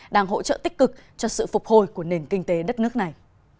đang hỗ trợ tích cực cho sự phục hồi của nền kinh tế đất nước này